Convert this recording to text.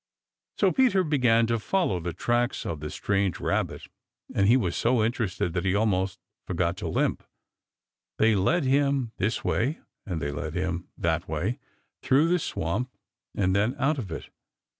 So Peter began to follow the tracks of the strange Rabbit, and he was so interested that he almost forgot to limp. They led him this way and they led him that way through the swamp and then out of it.